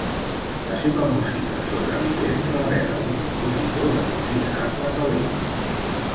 La seva música sobrevivent revela un compositor de considerable talent.